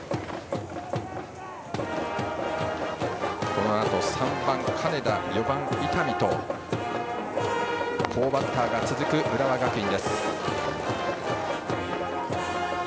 このあと３番、金田４番、伊丹と好バッターが続く浦和学院。